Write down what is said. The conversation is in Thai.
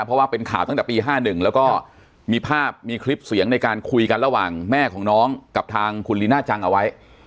เพราะว่าเป็นข่าวตั้งแต่ปี๕๑แล้วก็มีภาพมีคลิปเสียงในการคุยกันระหว่างแม่ของน้องกับทางคุณลีน่าจังเอาไว้